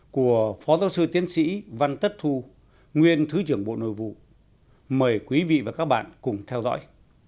của phó giáo sư tiến sĩ văn tất thu nguyên thứ trưởng bộ nội vụ mời quý vị và các bạn cùng theo dõi